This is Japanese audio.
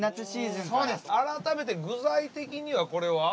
改めて具材的にはこれは？